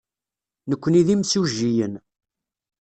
Nekkni d imsujjiyen.